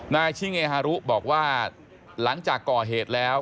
นายชิเงฮารุบอกว่าหลังจากก่อเหตุแล้ว